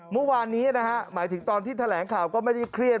เมื่อวานนี้นะฮะหมายถึงตอนที่แถลงข่าวก็ไม่ได้เครียด